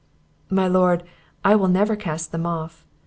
"My lord, I will never cast them off.